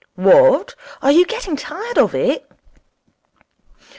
'What? Are you getting tired of it?'